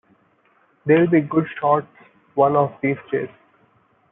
They’ll be good shots one of these days.